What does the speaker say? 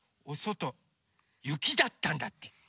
おそとゆきだったんだって。